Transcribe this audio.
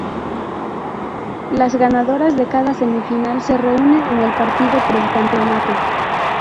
Las ganadoras de cada semifinal se reúnen en el partido por el campeonato.